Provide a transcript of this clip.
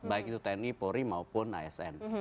baik itu tni polri maupun asn